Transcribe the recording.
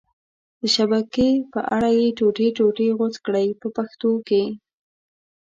د شبکې په اره یې ټوټې ټوټې غوڅ کړئ په پښتو کې.